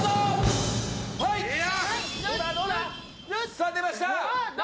さあ出ました